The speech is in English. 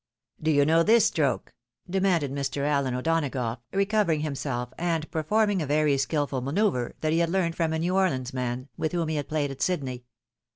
" Do you know this stroke ?" demanded Mr. Allen O'Dona gough, recovering himself, and performing a very skilful man oeuvre that he had learned from a New Orleans man, with whom he had played at Sydney.